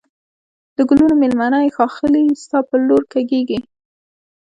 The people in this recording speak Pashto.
د گلونو مېلمنه یې ښاخلې ستا پر لور کږېږی